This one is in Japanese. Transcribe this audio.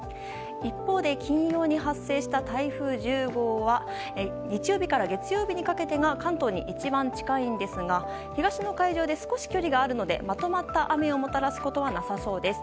一方で、金曜に発生した台風１０号は、日曜日から月曜日にかけてが関東に一番近いんですが、東の海上で少し距離があるので、まとまった雨をもたらすことはなさそうです。